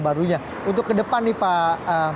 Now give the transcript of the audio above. barunya untuk kedepan nih pak